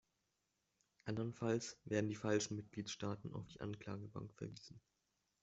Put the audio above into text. Andernfalls werden die falschen Mitgliedstaaten auf die Anklagebank verwiesen.